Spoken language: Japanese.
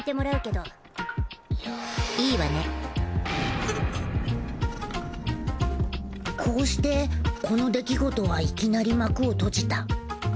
まん太：こうしてこの出来事はいきなり幕を閉じた。